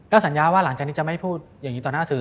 สัญญาว่าหลังจากนี้จะไม่พูดอย่างนี้ต่อหน้าสื่อ